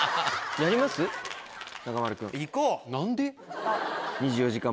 何で？